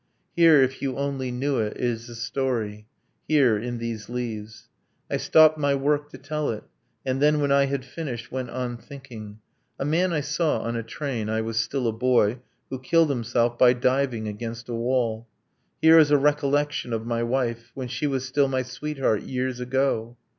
... Here, if you only knew it, is a story Here, in these leaves. I stopped my work to tell it, And then, when I had finished, went on thinking: A man I saw on a train ... I was still a boy ... Who killed himself by diving against a wall. Here is a recollection of my wife, When she was still my sweetheart, years ago.